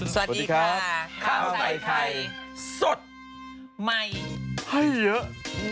สวัสดีค่ะข้าวใส่ไข่สดใหม่ให้เยอะ